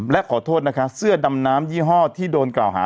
และขอโทษนะคะเสื้อดำน้ำยี่ห้อที่โดนกล่าวหา